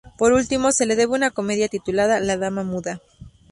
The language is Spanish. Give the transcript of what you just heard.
Por último, se le debe una comedia titulada "La dama muda".